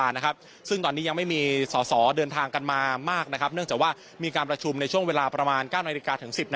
เนื่องจากว่ามีการประชุมในช่วงเวลาประมาณ๙๑๐นาฬิกา